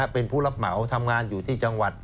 เป็นผู้รับเหมาทำงานอยู่ที่จังหวัด